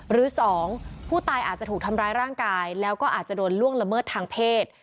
หรือ๒ผู้ตายอาจจะถูกทำร้ายร่างกายแล้วก็อาจจะโดนล่วงละเมิดทางเพศ